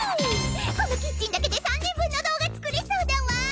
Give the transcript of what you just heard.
このキッチンだけで３年分の動画作れそうだわ！